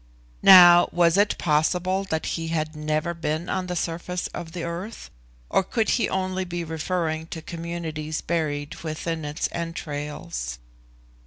Now, was it possible that he had never been on the surface of the earth, or could he only be referring to communities buried within its entrails?